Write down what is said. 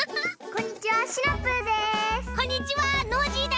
こんにちは。